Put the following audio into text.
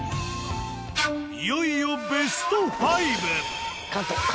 いよいよベスト５！